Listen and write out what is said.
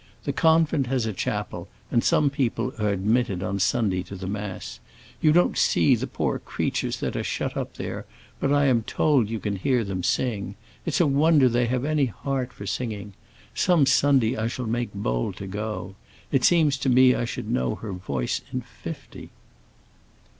"The convent has a chapel, and some people are admitted on Sunday to the mass. You don't see the poor creatures that are shut up there, but I am told you can hear them sing. It's a wonder they have any heart for singing! Some Sunday I shall make bold to go. It seems to me I should know her voice in fifty."